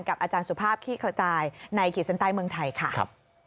อาจารย์สุภาพขี้กระจายในขีดเส้นใต้เมืองไทยค่ะ